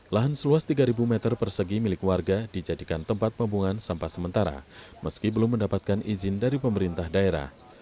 lahan seluas tiga meter persegi milik warga dijadikan tempat pembuangan sampah sementara meski belum mendapatkan izin dari pemerintah daerah